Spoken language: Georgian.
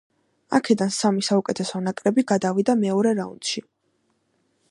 აქედან სამი საუკეთესო ნაკრები გადავიდა მეორე რაუნდში.